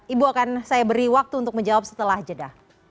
ibu akan saya beri waktu untuk menjawab setelah jeda